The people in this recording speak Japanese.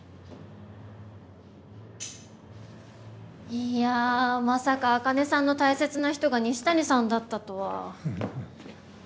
いやまさか茜さんの大切な人が西谷さんだったとは。